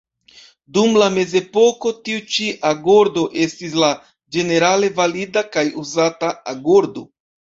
Dum la mezepoko tiu ĉi agordo estis la ĝenerale valida kaj uzata agordo.